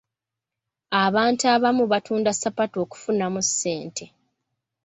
Abantu abamu batunda ssapatu okufunamu ssente.